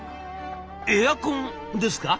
「エアコンですか？」。